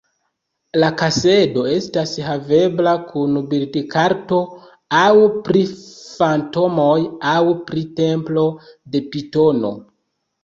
La kasedo estas havebla kun bildkarto aŭ pri fantomoj aŭ pri templo de pitono.